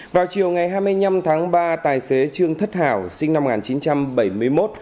vào chiều ngày hai mươi năm tháng ba tài xế trương thất hảo sinh năm một nghìn chín trăm bảy mươi một